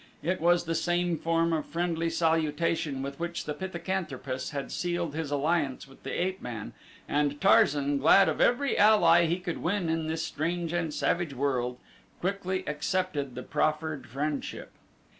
It was the same form of friendly salutation with which the pithecanthropus had sealed his alliance with the ape man and Tarzan, glad of every ally he could win in this strange and savage world, quickly accepted the proffered friendship.